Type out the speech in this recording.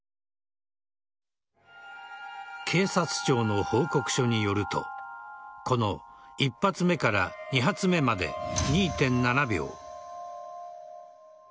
警察庁の報告書によるとこの１発目から２発目まで２．７秒。